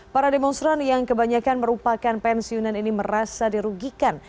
para demonstran yang kebanyakan merupakan pensiunan ini merasa dirugikan